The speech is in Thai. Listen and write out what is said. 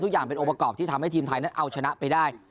อย่างเป็นองค์ประกอบที่ทำให้ทีมไทยนั้นเอาชนะไปได้